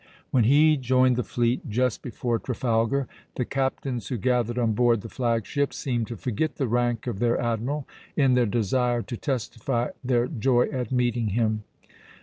When he joined the fleet just before Trafalgar, the captains who gathered on board the flag ship seemed to forget the rank of their admiral in their desire to testify their joy at meeting him.